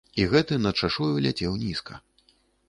І гэты над шашою ляцеў нізка.